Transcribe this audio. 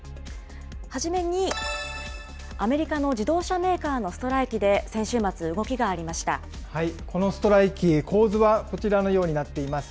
はじめにアメリカの自動車メーカーのストライキで先週末、動このストライキ、構図はこちらのようになっています。